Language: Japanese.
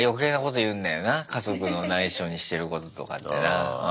家族のないしょにしてることとかってな。